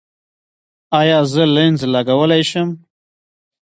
ایا زه لینز لګولی شم؟